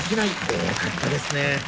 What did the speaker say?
多かったですね。